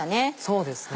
そうですね。